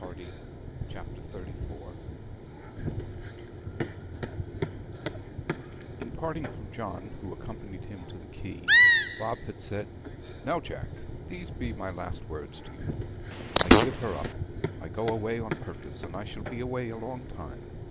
A SPECK ON THE SEA In parting from John, who accompanied him to the quay, Bob had said: 'Now, Jack, these be my last words to you: I give her up. I go away on purpose, and I shall be away a long time.